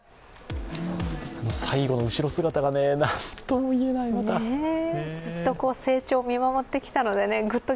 最後の後ろ姿が、なんともいえない。